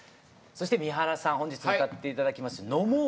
そして水森さん本日歌って頂きます